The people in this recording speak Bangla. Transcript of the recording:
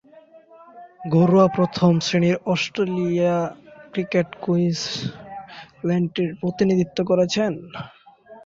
ঘরোয়া প্রথম-শ্রেণীর অস্ট্রেলীয় ক্রিকেটে কুইন্সল্যান্ডের প্রতিনিধিত্ব করেছেন।